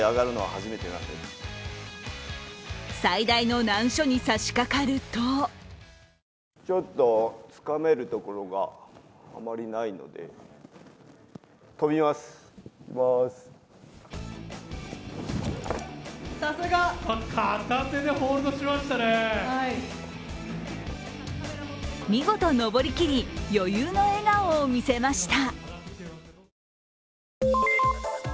最大の難所に差しかかると見事登り切り、余裕の笑顔を見せました。